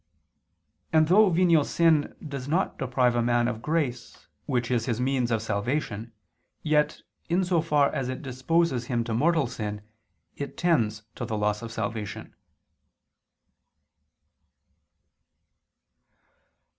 And though venial sin does not deprive a man of grace which is his means of salvation, yet, in so far as it disposes him to mortal sin, it tends to the loss of salvation.